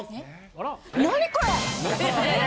何これ？